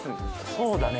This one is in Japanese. そうだね。